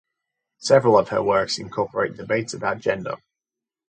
Several of her works incorporate debates about gender.